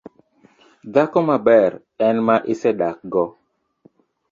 Dhako maber en ma isedakgo